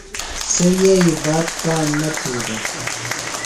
سےۡ یئی بات کاݨ نہ تھی دےۡ۔